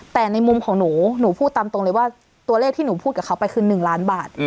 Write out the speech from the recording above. แต่ในมุมของหนูหนูพูดตามตรงเลยว่าตัวเลขที่หนูพูดกับเขาไปคือ๑ล้านบาท